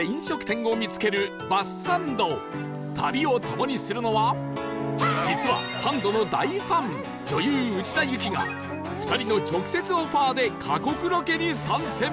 旅を共にするのは実はサンドの大ファン女優内田有紀が２人の直接オファーで過酷ロケに参戦